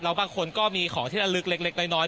แล้วบางคนก็มีของที่ระลึกหน่อย